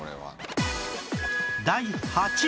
第８位